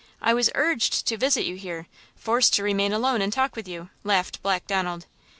I was urged to visit you here–forced to remain alone and talk with you!" laughed Black Donald.